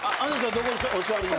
どこお座りに？